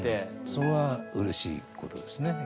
それはうれしいことですね。